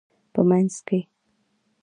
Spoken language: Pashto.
په مینځ کې